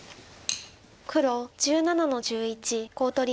黒１７の十一コウ取り。